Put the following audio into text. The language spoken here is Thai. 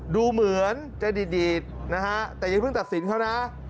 ดูเหมือนจะดีดนะฮะแต่อย่าเพิ่งตัดสินเขานะ